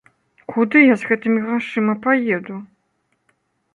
Куды я з гэтымі грашыма паеду?